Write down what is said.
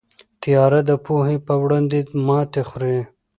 تیاره د پوهې په وړاندې ماتې خوري.